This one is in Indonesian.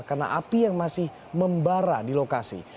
karena api yang masih membara di lokasi